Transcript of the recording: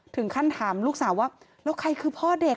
ถามลูกสาวว่าแล้วใครคือพ่อเด็ก